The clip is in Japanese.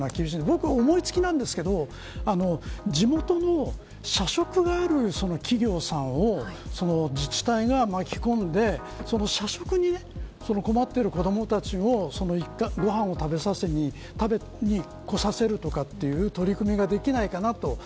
僕、思い付きなんですけど地元の社食がある企業さんを自治体が巻き込んでその社食に困っている子どもたちをご飯を食べに来させるとかという取り組みができないかなと。